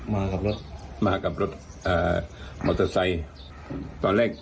มากับรถมากับรถอ่ามอเตอร์ไซค์ตอนแรก